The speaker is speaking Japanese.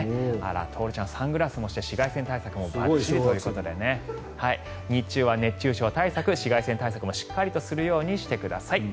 徹ちゃん、サングラスもして紫外線対策もばっちりということで日中は熱中症対策、紫外線対策もしっかりとするようにしてください。